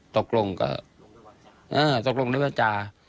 ตกลงก็ตกลงด้วยว่าจา